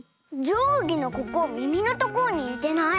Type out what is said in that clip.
じょうぎのここみみのところににてない？